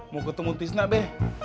mau ketemu tisna be